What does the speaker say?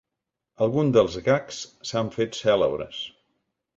Alguns dels gags s’han fet cèlebres.